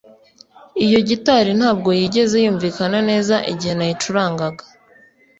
Iyo gitari ntabwo yigeze yumvikana neza igihe nayicurangaga